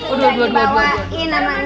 udah dibawain sama ancus